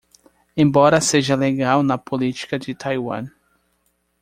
Embora seja legal na política de Taiwan